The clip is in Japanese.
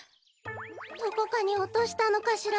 どこかにおとしたのかしら？